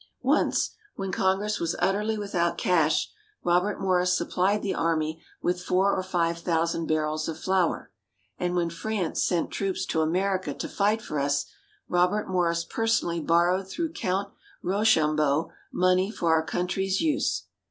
Once, when Congress was utterly without cash, Robert Morris supplied the Army with four or five thousand barrels of flour. And when France sent troops to America to fight for us, Robert Morris personally borrowed through Count Rochambeau, money for our Country's use.